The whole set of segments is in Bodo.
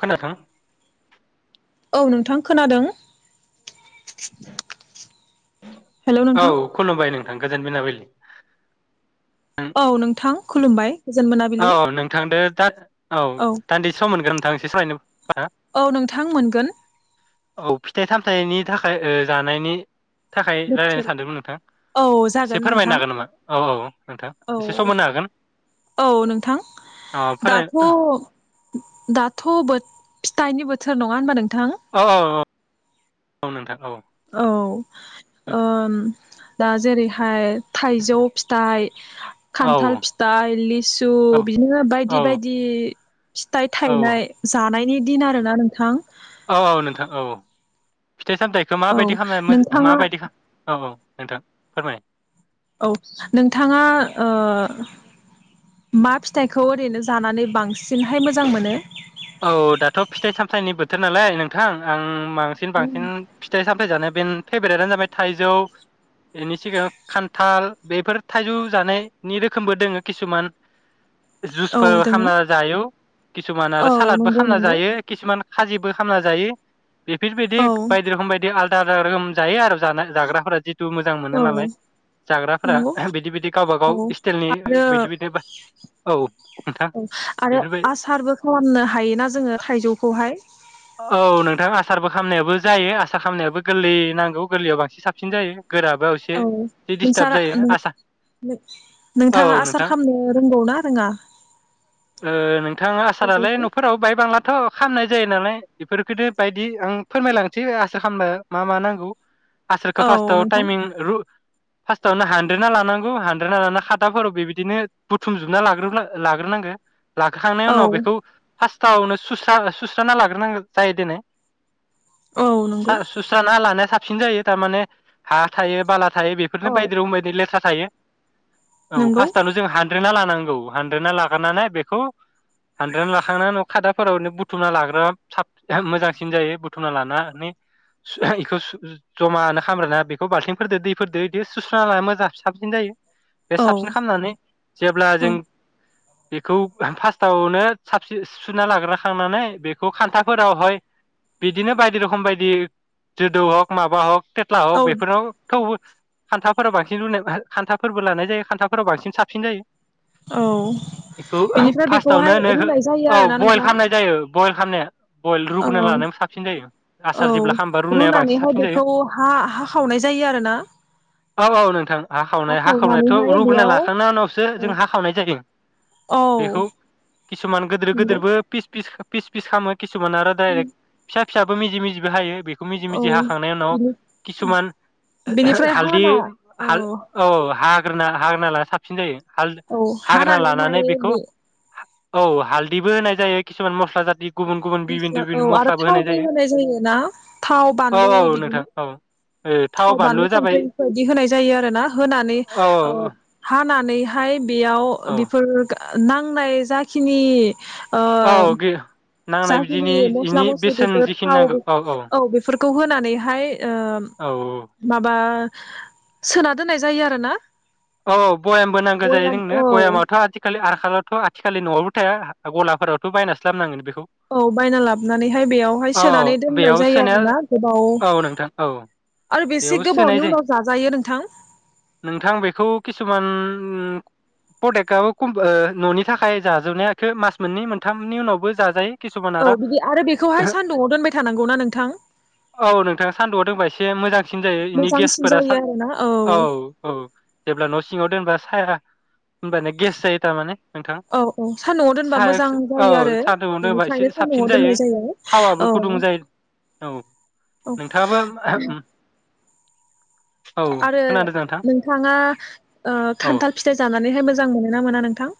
खोना थां। औ नोंथां खोनादों। [unintelligible] हेलौ औ नोंथां खुलुमबाय नों। गोजोन मोनाबिलि। औ नोंथां खुलुमबाय गोजोन औ मोनाबिलि नोंथांदो दा औ दान्दिसे सम मोनगोन। थां इसे सावरायनो। औ नोंथां मोनगोन। औ फिथाइ सामथाइनि थाखाय ओ जानायनि। थाखाय रायलायनो बोथोर सानदोंमोन नोंथां औ एसे जागोन नोंथां फोरमायनो हागोन नामा औ -औ नोंथां औ एसे सम होनो हागोन। औ नोंथां अ फोराय दाथ औ दाथ बो फिथाइनि बोथोर नङा होनबा नों अ अ अ औ नोंथां औ औ ओम दा जेरैहाय थाइजौ फिथाइ औ खान्थाल फिथाइ लिसु बिदिनो औ बायदि बायदि फिथाइ थायनाय जानायनि दिन आरोना नोंथां औ औ नोंथां औ औ फिथाइ सामथायाइखौ औ माबायदि खालामबा मोजा नोंथाङा माबायदि खा औ औ नोंथां फोरमाय औ नोंथाङा ओ मा फिथाइखौ ओरैनो जानानै बांसिनहाय मोजां मोनो? औ दाथ फिथाइ सामथाइनि बोथोर नालाय नोंथां आं बांसिन बांसिन फिथाइ सामथाय जानाय बेन फेभ्रेटआनो जाबाय थायजौ बेनि सिगाङाव खान्थाल बेफोर थायजौ जानायनि रोखोमबो दोंङो किसुमान औ जुसफोर दोङो खामना जायो किसुमान आरो औ सालादबो नंगौ खामना नंगौ जायो किसुमान खाजिबो खामना जायो। बेफोरबायदि औ बायदि रोखोम बायदि आल [unintelligible] जायो आरो। जानाय जाग्राफोरा जिथु मोजां मोनो नालाय जाग्राफोरा नंगौ बिदि बिदि गावबा गाव औ स्टाइलनि आरो बिदि बिदिनो औ नोंथां बेफोरबाय फाननो हायोना जोङो थाइजौ खौहाय औ नोंथां आसारबो खामनायाबो जायो आसार खामनायाबो गोरलै नांगौ गोरलैयाव बांसिन साबसिन जायो। गोराबा एसे औ जि डिस्टाब नोंसारा जायो आसा औ औ नोंथाङा आसार नोंथां खालामनो रोंगौ ना रोङा? ओ नोंथाङा आसारालै न'फोराव बायबांलाथ खामनाय जायो नालाय बेफोरखौनो बायदि आं फोरमायलासै आसार खामबा मा मा नांगौ? आसारखौ औ फासताव नोंथां टाइमिं रु फास्टआवनो हानद्रेना लानांगौ हानद्रेना लाना खादाफोराव बेबायदिनो बुथुमजोबना लाग्रोब्ला लाग्रोनांगो। लाखांनायनि औ उनाव बेखौ फास्तावनो सुस्रा सुस्राना लाग्रोनांगोन। जायोदिनै औ नंगौ स्रा सुस्राना लानाया सा साबसिन जायो थारमाने हा थायो बाला थायो बेफोरनो औ बायदि रं बायदि लेथा थायो। औ नंगौ फार्स्टआवल जों हानद्रेनना ला नोंगौ हानद्रेदना लाग्रोननानै बेखौ हानद्रेदना लाखांनानै न खादाफोराव बुथुमना लाग्रा साब मोजांसिन जायो बुथुना लानानानै सु इखौ सु जमानो खामग्राना बेखौ बाल्थिंफोरदो दैफोरदो बिखौ सुस्रना ला मोजां साबसिन जायो। बे औ साबसिन खालामनानै जेब्ला जों बेखौ फार्स्टावनो साबसि सिबसुना लाग्राखांनानै बे खौ खान्थाफोरावहाय बिदिनो बायदि रखोम बायदि जोदौ हक माबा हक टेथ्ला हक औ बेफोराव थेवबो खान्थाफोराव बांसिन लुनाय खान्थाफोरबो लानाय जायो खान्थाफोराव बांसिन साबसिन जायो। औ बेखौ [unintelligible] बेनिफ्राय बेखौहाय फार्स्टावनो नो हो रुनाय जायो औ आरोना बयल नोंथां खालामनाय जायो बयल। खामनो। बयल रुग्रोना औ लानायाबो साबसिन जायो। आसार जेब्ला औ खामबा रुनाया बांसिन रुनानैहाय साबसिन जायो। बेखौ हा हा खावनाय जायो आरोना औ औ नोंथां हा हाखावनाया हाखावनायाथ' खावनानैहाय रुग्रोना बेयाव लाखांनायनि उनावसो औ जों हाखावनाय जायो। औ बेखौ किसुमान गोदोर नंगौ गोदोरबो पिस पिस फिस खामो। किसुमान आरो दायरेक फिसा फिसाबो मिजि मिजिबो हायो बेख खौ मिजि औ मिजि हाखांनायनि उनाव बिनि किसुमान बेनिफ्राय [unintelligible] हालदि हाना हाल औ हाग हाग्रोना हाग्रोनालानाया साबसिन जायो। हाल औ हाग्रोना लानानै हानानैहाय बिखौ बे हा औ हालदिबो होनाय जायो किसुमान मस्ला जात मस्ला औ आरो थावबो होनाय जायो ना थाव औ बानलु औ नोंथां बिदिनो औ थाव बानलु संख्रि बिबादि होनाय जायो आरो ना होनानै औ ओ हानानैहाय बेयाव औ बेफोर गा ओ नांनाय जाखिनि ओ औ गे जाखिनि मस्ला-मस्लि बेफोर थाव औ बेफोर फोरखौ होनानैहाय ओ औ माबा सोना दोननाय जायो आरोना। औ बयामबो नांगो जायो बयाम जोंनो औ बयामाथ' आथिखालनि आर खालावथ' आथिखालनि नआवबो थाया गलाफोरावथ' बायनासो लाबनांगोन बेखौ। औ बायना लाबनानैहाय बेयावहाय औ सोनानै औ दोननाय बेयाव जायो सोनाया आरोना गोबाव औ नोंथां औ आरो बेसे बेयाव सोनाय गोबावनि जायो उनाव जाजायो नोंथां। नोंथां बेखौ किसुमान प्रडाक्टआबो खम ओ ननि थाखाय जाजोबनायाखो मास मोननै मोनथामनि उनावबो जाजायो। औ बिदि आरो बेखौहाय सान्दुआव दोनबाय थानांगौना नोंथां? बे मोजां। बांसिन जायो इनि मोजांसिन गेसफोरा जायो सा आरोना औ औ। जेब्ला न' सिङाव दोनबा साया होनब्लानो गेस जायो थारमाने। नोंथां औ औ सान्दुंआव दोनबा साया मोजां औ जायो आरो सान्दुंआव दोनबा एसे बिनिखायनो साबसिन सान्दुंआव दोननाय जायो थावाबो औ औ गुदुं जायो औ औ नोंथाङाबो [unintelligible] औ आरो खोनादों नोंथां नोंथाङा ओ औ खान्थाल फिथाइ जानानैहाय मोजां मोनोना मोना नोंथां?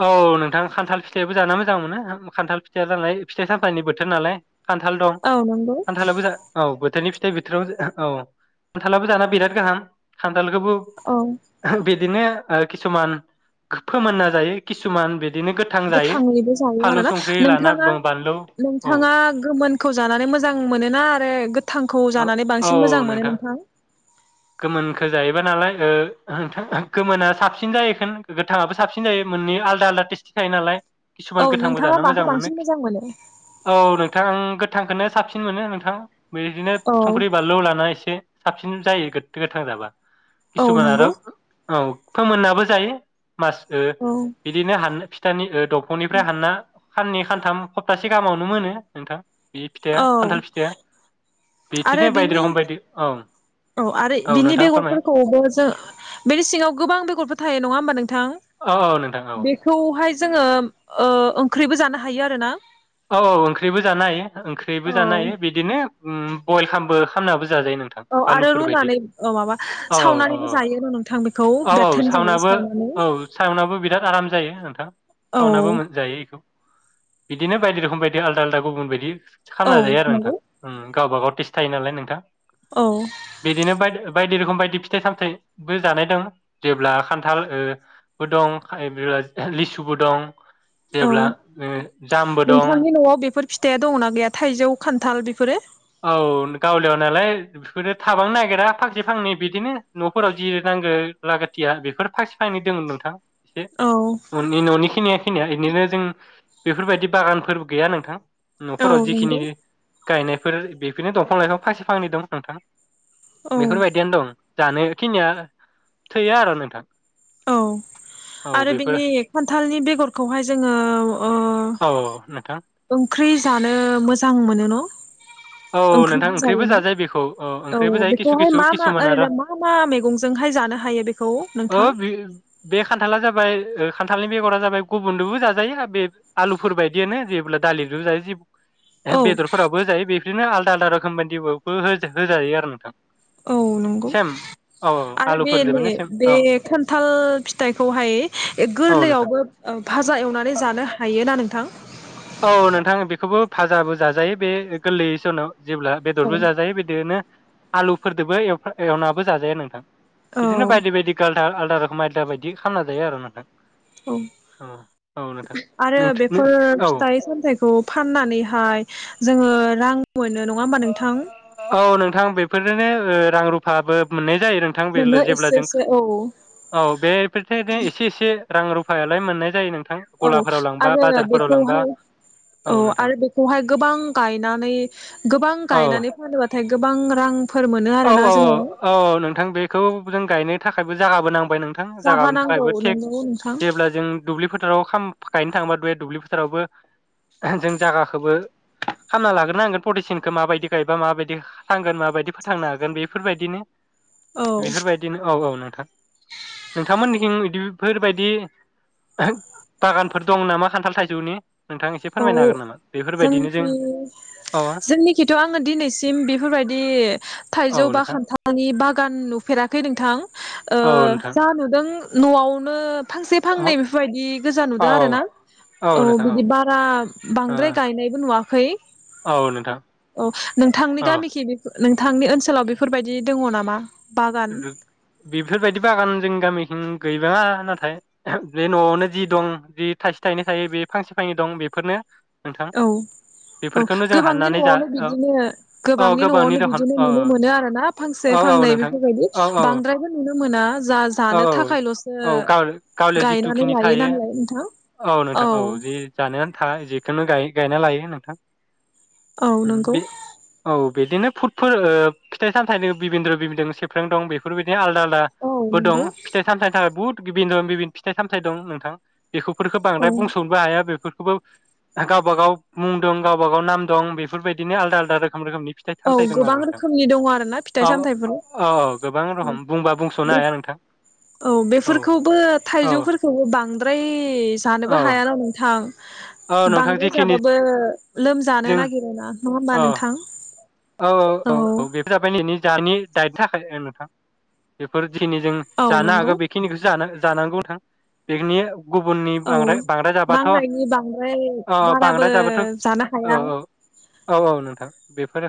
औ नोंथां खान्थाल फिथाइबो जानो मोजां मोनो खान्थाल फिथाइ जानाय फिथाइ-सामथाइनि बोथोर नालाय। खान्थाल दं। औ नंगौ खान्थालाबो जा औ बोथोरनि फि थो बिथोराव जो [unintelligible] औ खान्थालाबो जाना बिराद गाहाम। खान [unintelligible] औ बि बिदिनो ओ किसुमान फोमोनना जायो किसुमान बे गोथाङैबो जायो आरोना लाना नोंथाङा बानलु औ नोंथाङा गोमोन खौ जानानै मोजां मोनोना आरो गो? थांखौ औ जानानै बांसिन मोजां मोनो नोंथां? गोमोनखौो जायोबा नालाय नोंथां गोमोना साबसिन जायोखोन गोथाङाबो साबसिन जायो मोननै आलदा आलदा टेस्टि थायो नालाय। औ किसुमान गोथांबो नोंथाङा जानो माखौ मोजां मोनो बांसिन मोजां मोनो औ नोंथां। गोथांखौनो साबसिन मोनो नोंथां। बिदिनो औ संख्रि बानलु लाना एसे साबसिन जायो। गोथां जाबा औ किसु मान आरो नंगौ औ फोमोननाबो जायो। मास ओ औ बिदिनो हान फि [unintelligible] दंफांनिफ्राय हानना ननै सानथाम सप्तासे गाहामावनो मोनो नोंथां। बे फिथाइ औ खान्थाल फिथाइ आरो बिदिनो बायदि बिनि रोखोम बायदि ओं औ आरो बिनि बेगरफोरखौबो जों बेनि सिङाव गोबां बेगरफोर थायो नङा होमबा नोंथां? औ औ नोंथां औ बेखौहाय जोङो ओंख्रिबो जानो हायो आरो ना औ औ ओंख्रिबो जानो हायो ओंख्रिबो औ जानो हायो बिदिनो बयल खालामबो खालामनाबो औ आरो रुनानै औ माबा औ औ सावनानैबो जायो र' नोंथां बेखौ औ औ बेथेन जायो सावनाबो सावनानै औ सावनाबो बिराद आराम जायो नोंथां। साउनाबो औ मोनजायो बेखौ बिनो बायदि रखोम बादि आलद आलादा गुबुन बायदि औ खालामना जायो आरो नोंथां नंगौ ओं गावबा गाव [unintelligible] थायो नालाय नोंथा औ बिदिनो बाय बायदि रोखोम बायदि फिथाइ सामथाइबो जानाय दं जेब्ला खान्थालबो ओ दं ओ बो लिसुबो दं। औ जेबला ओ जामबो दं फोर फिथाइया दंङ ना गैया थाइजौ खान्थाल बेफोरो? औ गावलियाव नालाय बेफोरो थाबांनो नागिरा फांसे फांनै बिदिनो न'फोराव जि नांगौ लागाथिया बेफोर फांसे फांनै दोंमोन नोंथां। एसे औ ननि न'निखिनि खिनिया इदिनो जों बेफोरबायदि बागानफोर गैया नोंथां। औ न'खराव जिखिनि नंगौ गायनाय बेफोर बेफोरनो दंफां लाइफां फांसे फांनै दं नोंथां। औ बेफोर बायदियानो दं। जानोखिनिया थैयो आरो नोंथां। औ औ आरो बेफोर बेनि खान्थालनि बेगर खौहाय जोंङो ओ औ नोंथां। ओंख्रि जानो मोजां मोनो न'? औ नोंथां ओंख्रिबो जायो ना जाजायो बेखौ ओंख्रिबो औ जायो किसु बेखौहाय किसु मा मा किसुमान आरो ओरैनो मा मा मैगंजोंहाय जानो हायो बेखौ ओ नोंथां? बे बे खान्थाला जाबाय ओ खान्थालनि बेगरा जाबाय गुबुनजोंबो जाजायो बे आलुफोर बायदियानो जेब्ला दालिजोंबो जायो औ बेदर फोरावाबबो होजायो बे बिदिनो आलदा आलदा रोखोम बायदियावबो होजायो आरो नोंथां। औ नंगौ सेम औ आरो बेनो आलुफोरजोंबानो सेम बे औ खान्थाल फिथाइ खौहाय औ नोंथां गोरलैयावबो ओ भाजा एवनानै जानो हायोना नों औ नोंथां बेखौबो फाजाबो जाजायो बे गोरलैयै सनाव जेब्ला औ बेदरबो जाजायो बिदिनो आलु फोरदोबो एवफा एवनाबो जाजायो नोंथां। औ बिदिनो बायदि बायदि काल आ आलदा रोखोम आयदा बायदि खालामना जायो आरो नोंथां। औ औ औ नोंथां आरो नों बेफोर औ फिथाइ साम थाइखौ फाननानैहाय जोंङो रां मोनो नङा होमबा नोंथां औ नों थां बेफोरजोंनो ओ रां रुफाबो मोननाय जायो नोंथां बेरल' मोनो जेब्ला एसे जों एसे औ खा औ बेफोर [unintelligible] एसे एसे रां रु फायालाय मोननाय जायो नों औ आरो बेखौहाय औ आरो बेखौहाय गोबां गायनानै गा गोबां औ गायनानै फानोबाथाय गोब बां रां औ औ औ अ नोंथां बेखौ जों गायनो थाखायबो जागाबो नां बो नोंथां जागा जागानि नांगौ थाखायबो थेक नंगौ नोंथां गायनो थाङोबा दुये दुब्लि फोथारावबो जों जागाखोबो खामना लाग्रोनांगोन प्रटेसिनखो माबायदि गायबा माबायदि थांगोन माबायदि फा थांनो हागोन बेफोरबायदिनो औ बेफोरबायदिनो औ औ नोंथां नोंथांमोननिखिं बिफोरबायदि बागानफोर दं नामा खान्थाल थाइजौनि? नोंथां एसे औ फोरमायनो हागोन नामा बेफोरबायदिनो जों जोंनिखि औ जोंनिखिथ' आङो दिनैसिम बेफोरबायदि औ थाइजौ बा नोंथां खान्थानि बागान नुफेराखै नोंथां। ओ औ नोंथां जा नुदों न'आवनो फांसे औ फांनै बेफोरबायदि गोजा औ नुदों आरो ना औ बिदि बा [unintelligible] ओ बांद्राय गायनायबो नुवाखै औ नोंथां औ नोंथांनि औ गामिखि बेफो नोंथांनि ओनसोलाव बेफोरबायदि दङ' नामा? बागान बेफोरबायदि बागान जों गामिथिं गैबाङा नाथाय बे न'आवनो जि दं जि थाइसे थाइनै थायो बे फांसे फांनै दं बेफोरनो। नोंथां औ औ बेफोरखौनो जों गोबांनि हाननानै जा न'आवनो बिदिनो औ गोबांनि न'आवनो दखान बिदिनो औ नुनो मोनो आरोना फांसे औ औ फांनै नोंथां बेफोरबायदि औ औ बांद्रायबो नुनो मोना जा-जानो औ थाखायल'सो औ गाव गावलियाव गायनानै जिथुखिनि लायो थायो नालाय नोंथां औ। बेखोनो गायो गायना लायो नोंथां। औ ओम नंगौ बे औ बिदिनो फुडफोर ओ फिथाइ सामथाइनो बिबिनद्र' बिबिनद्र सेब फ्रें दं बेफोरबायदि आलदा आल दा औ बो दं नंगौ फिथाइ सामथाइनि थाखाय बहुद बिबिन्द्रन बिबिन फिथाइ सामथाइ दं नोंथां। बेखौफोरखौ औ बांद्राय बुंस'नोबो हाया बेफोर खौबो गावबा गाव मुं दं गावबा गाव नाम दं बेफोरबायदिनो आलदा आलदा रोखोम रोखोमनि फिथाइ औ सामथाइ दं आरो गोबां नोंथां। रोखोमनि दङ' आरो ना फिथाइ सामथाइफोर औ औ गोबां रखम बुंबा बुंस'नो बे हाया नोंथां औ बेफोरखौबो औ थाइजौफोरखौबो बांद्राय औ जानोबो हायाना नोंथां। औ नोंथां बांद्राय जिखिनि जाबाबो लोमजानो जों नागिरो ना। नङा होमबा औ नोंथां? औ औ औ औ [unintelligible] दानि दाय थाखाय ओ नोंथां बेफोर जिखिनि जों औ जानो नंगौ हागो बेखिनिखौसो जानो जानांगौ नोथां बेखिनि गुबुननि औ बांद्राय बांद्राय जाबाथ नांनायनि बांद्राय अ बाराबो बांद्राय जाबाथ जानो ओ हाया औ-औ-औ नोंथां बेफोरो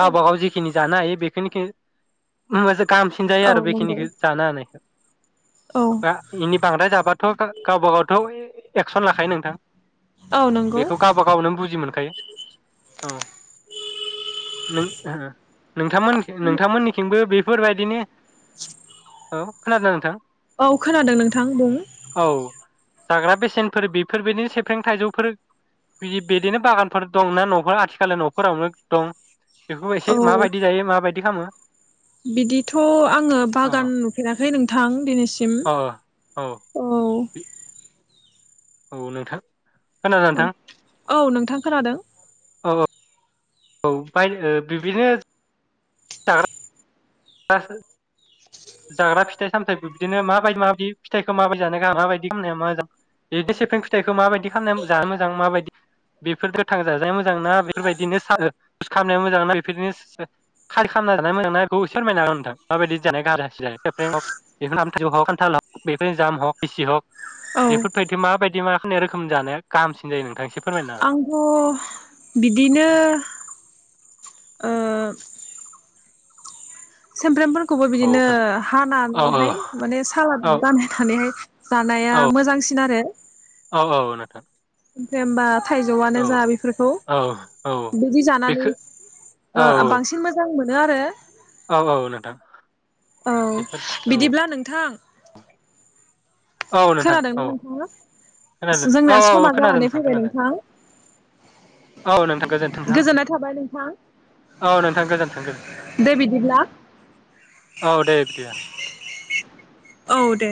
गावबा गाव जिखिनि जाना हायो बेखिनिखो मोजा गाहामसिन जायो औ आरो नंगौ बेखिनिखौ जानो हानायखो औ बा इनि बांद्राय जाबाथगा गावबा गावथओइ एक्सन लाखायो नोंथां औ नंगौ बेखौ गावबा गावनो बुजि मोनखायो औ नों ओ नोंथांमोननिखै नोंथांमोननिथिंबो बे फोरबायदिनि औ खोनादों नोंथां औ खोनादों नोंथां बुं औ जाग्रा बेसेनफोर बेफोरबायदिनो सेफ्रें थाइजौफोर बिदि बिदिनो बागानफोर दंना नफोर आथिखालि नफोरावनो दं बेखौ औ एसे माबायदि जायो माबायद दि खामो बिदिथ आंङो बागान नुफेराखै नोंथां दिनैसिम अ औ औ नोंथां खोनादों औ नोंथां औ नोंथां खोनादों ओ-ओ औ बाय ओ बि बिदिनो [unintelligible] जाग्रा फिथाइ सामथाइ बिबदिनो माबायदि माबायदि फिथाइखौ माबायदि जानो गाहाम माबायदि खामनाया मोजां बिदि सिफ्रिं फिथाइखौ माबायदि खालामना जानो मोजां माबायदि बेफोर गोथां जाजानाया मोजां ना बेफोरबायदिनो सा ओ सा खालामनाया मोजां ना बेफोरनो सोद खालि खालामना जानाया मोजां ना बेखौ एसे फोरमायनो हागोन नोंथां माबायदि जानाया गाहाम जा [unintelligible] फिसि हक औ बेफोरबायदि माबायदि मा रोखोम जानाया गाहामसिन जायो नोंथां इसे आंथ बिदिनो ओ सेमफ्रेम। खौबो हो बिदिनो औ औ हानानैहाय माने सालाद बानायनानैहाय। जानाया औ मोजांसिन आरो। औ औ नोंथां। दे ओमबा थाइजौआनो औ जा बेफोरखौ औ औ बिदि जानानै बेखो औ बांसिन मोजां मोनो। मोनो आरो। औ औ नोंथां औ बेफोर औ। बिदिब्ला नोंथां औ नोंथां खोनादोंना औ नोंथाङा खोनादों जोंनाया औ औ समा खोनादों जानानै फैबाय खोनादों नोंथां औ नोंथां गोजोन्थों नोंथां गोजोननाय थाबाय नोंथां औ नोंथां गोजोन्थों गोजोन दे बिदिब्ला औ दे बिदिबा औ दे।